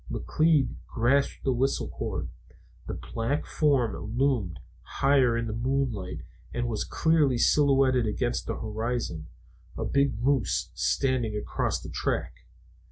McLeod grasped the whistle cord. The black form loomed higher in the moonlight and was clearly silhouetted against the horizon a big moose standing across the track.